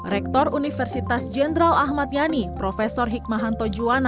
rektor universitas jenderal ahmad yani prof hikmahanto juwana